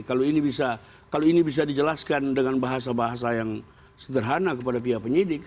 kalau ini bisa dijelaskan dengan bahasa bahasa yang sederhana kepada pihak penyidik